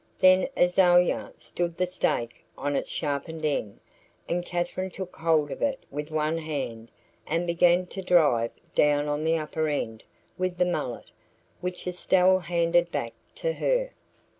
Then Azalia stood the stake on its sharpened end and Katherine took hold of it with one hand and began to drive down on the upper end with the mallet, which Estelle handed back to her.